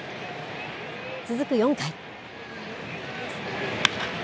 続く４回。